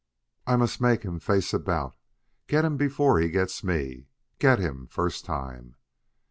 I must take him face about; get him before he gets me get him first time!"